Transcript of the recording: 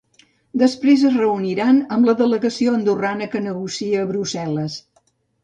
Després es reuniran amb la delegació andorrana que negocia a Brussel·les.